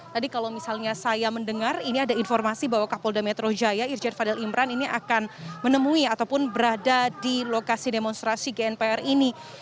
tadi kalau misalnya saya mendengar ini ada informasi bahwa kapolda metro jaya irjen fadil imran ini akan menemui ataupun berada di lokasi demonstrasi gnpr ini